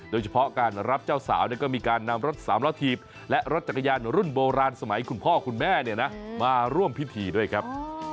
โดยเฉพาะการรับเจ้าสาวก็มีการนำรถสามล้อถีบและรถจักรยานรุ่นโบราณสมัยคุณพ่อคุณแม่มาร่วมพิธีด้วยครับ